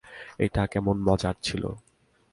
এটা কেমন মজার ছিল?